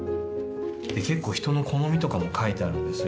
結構人の好みとかも書いてあるんですよ。